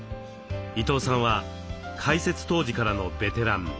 伊東さんは開設当時からのベテラン。